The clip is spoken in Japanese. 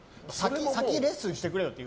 先レッスンしてくれよって。